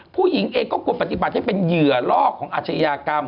ผู้หญิงเองก็ควรปฏิบัติให้เป็นเหยื่อลอกของอาชญากรรม